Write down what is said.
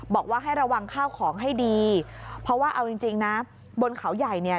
บอกว่าให้ระวังข้าวของให้ดีเพราะว่าเอาจริงจริงนะบนเขาใหญ่เนี่ย